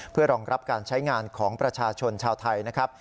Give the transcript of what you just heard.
เพื่อรองรับการใช้งานของประชาชนชาวไทยนะครับ